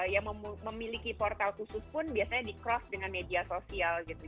yang memiliki portal khusus pun biasanya di cross dengan media sosial gitu